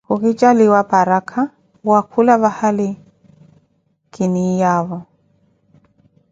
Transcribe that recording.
Ku ki jaaliwa paraka, wakula vahali ki niiyaavo.